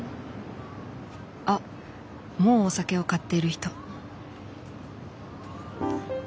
あっもうお酒を買ってる人。